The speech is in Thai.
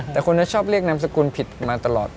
แต่คนนั้นชอบเรียกนามสกุลผิดมาตลอด